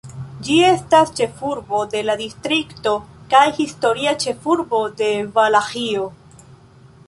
Ĝi estas ĉefurbo de la distrikto kaj historia ĉefurbo de Valaĥio.